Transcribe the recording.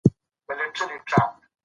ولې دا هرڅه زغمل کېږي.